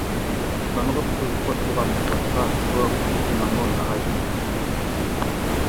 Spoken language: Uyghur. نانغا تۇز قوشۇلغان بولغاچقا، بۇ ھەقتىكى ئېڭىمۇ ناھايىتى مۇستەھكەم.